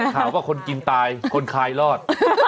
ข่าวว่าคนกินตายคนคลายรอด